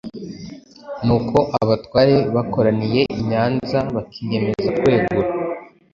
ni uko abatware bakoraniye i Nyanza bakiyemeza kwegura